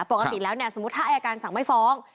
ปกติแล้วเนี่ยสมมุติถ้าอายการสั่งไม่ฟ้อง